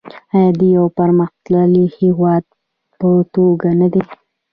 آیا د یو پرمختللي هیواد په توګه نه دی؟